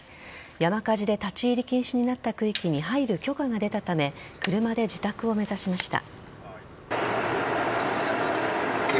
山火事で立ち入り禁止になった区域に入る許可が出たため車で自宅を目指しました。